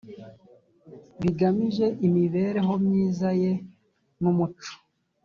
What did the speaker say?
bigamije imibereho myiza ye n umuco